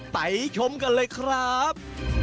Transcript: ไปชมกันเลยครับ